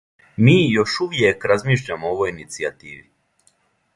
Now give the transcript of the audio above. Ми... још увијек размишљамо о овој иницијативи.